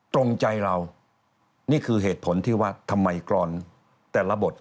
ตรงใจเรานี่คือเหตุผลที่ว่าทำไมกรอนแต่ละบท